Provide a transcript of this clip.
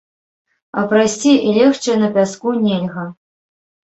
А прайсці і легчы на пяску нельга.